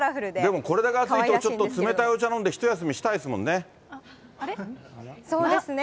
でもこれだけ暑いと、ちょっと冷たいお茶飲んで、ひと休みしそうですね。